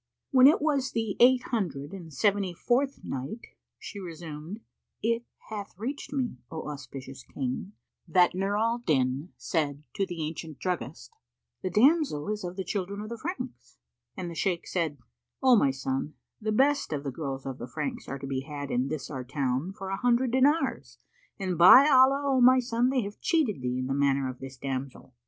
When it was the Eight Hundred and Seventy fourth Night, She resumed, It hath reached me, O auspicious King, that Nur al Din said to the ancient druggist, "The damsel is of the children of the Franks;" and the Shaykh said, "O my son, the best of the girls of the Franks are to be had in this our town for an hundred dinars, and by Allah, O my son, they have cheated thee in the matter of this damsel!